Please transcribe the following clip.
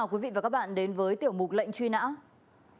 kính chào quý vị và các bạn đến với tiểu mục lệnh chuyên gia hà tĩnh